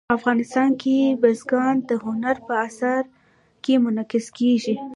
افغانستان کې بزګان د هنر په اثار کې منعکس کېږي.